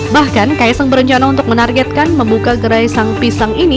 bahkan kaisang berencana untuk menargetkan membuka gerai sang pisang ini